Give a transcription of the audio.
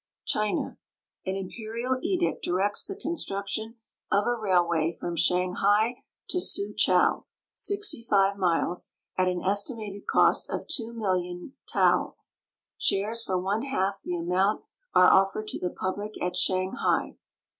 . Cni.v.A. An imperial edict directs the constniction of a railway from Shanghai to Soochow, 65 miles, at an estimated cost of 2,000,000 taels. Shares for one half the amount are offered to the public at Shanghai.